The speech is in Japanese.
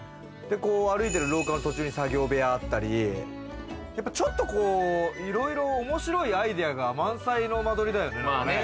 歩いてる廊下の途中に作業部屋があったり、ちょっといろいろ面白いアイデアが満載の間取りだよね。